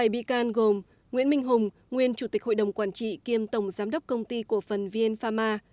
bảy bị can gồm nguyễn minh hùng nguyên chủ tịch hội đồng quản trị kiêm tổng giám đốc công ty cổ phần vn pharma